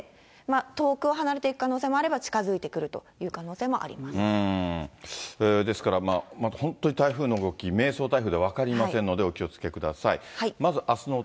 遠く離れていく可能性もあれば、近づいてくるという可能性もありですから、本当に台風の動き、迷走台風で分かりませんので、お気をつけください。